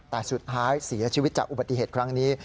แต่สุดท้ายเสียชีวิตจากอุบัติเหตุครั้งนี้